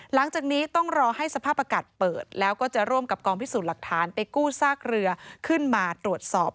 หลังจากนี้ต้องรอให้สภาพอากาศเปิดแล้วก็จะร่วมกับกองพิสูจน์หลักฐานไปกู้ซากเรือขึ้นมาตรวจสอบ